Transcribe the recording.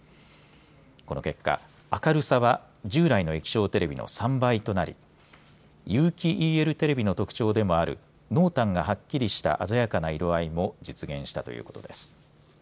この結果明るさは従来の液晶テレビの３倍となり有機ＥＬテレビの特徴でもある濃淡がはっきりした鮮やかな色合いも実現したということです。